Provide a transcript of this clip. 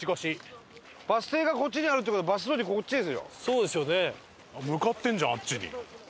そうですよね。